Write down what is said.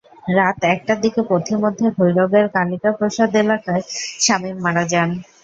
রাত একটার দিকে পথিমধ্যে ভৈরবের কালিকা প্রসাদ এলাকায় শামীম মারা যান।